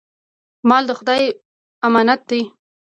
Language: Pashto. مال د خدای امانت دی.